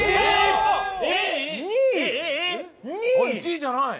１位じゃない！